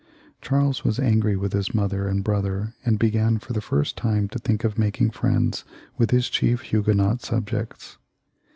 Charles was angry with his mother and brother, and began for the first time to think of making friends with his chief Huguenot subjects.